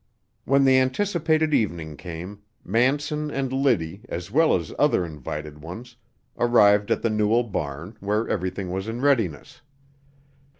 When the anticipated evening came, Manson and Liddy, as well as other invited ones, arrived at the Newell barn, where everything was in readiness.